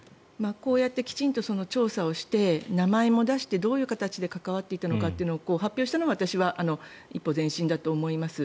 こうやってきちんと調査をして名前も出してどういう形で関わっていたのかというのを発表したのは私は一歩前進だと思います。